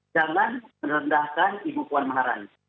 jangan merendahkan ibu puan maharani